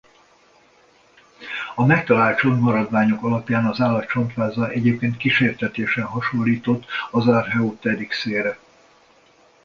A megtalált csontmaradványok alapján az állat csontváza egyébként kísértetiesen hasonlított az Archaeopteryxére.